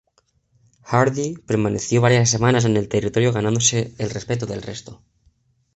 Hardy permaneció varias semanas en el territorio ganándose el respeto del resto.